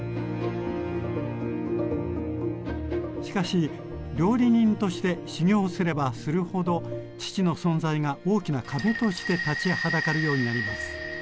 しかし料理人として修業すればするほど父の存在が「大きな壁」として立ちはだかるようになります。